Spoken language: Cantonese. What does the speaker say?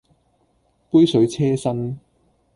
杯水車薪